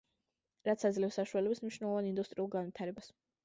რაც აძლევს საშუალებას მნიშვნელოვან ინდუსტრიულ განვითარებას.